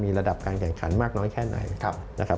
มีระดับการแข่งขันมากน้อยแค่ไหน